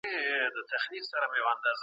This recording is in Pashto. ایمان د بنده په سترګو کي رڼا پیدا کوي.